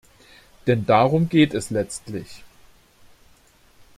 Denn darum geht es letztlich.